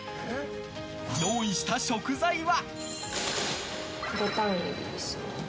用意した食材は。